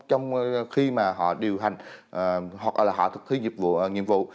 trong khi mà họ điều hành hoặc là họ thực hiện nhiệm vụ